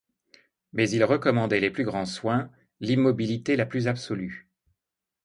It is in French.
Mais il recommandait les plus grands soins, l'immobilité la plus absolue.